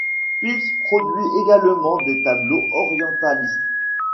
Pils produit également des tableaux orientalistes.